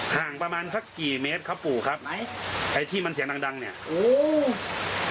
ห่างประมาณสักกี่เมตรครับปู่ครับไหมไอ้ที่มันเสียงดังดังเนี้ยโอ้